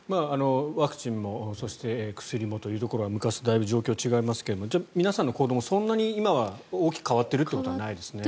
ワクチンもそして薬もというところは昔とだいぶ状況が違いますが皆さんの行動もそんなに今は大きく変わっているということはないですね。